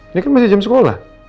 ini kan masih jam sekolah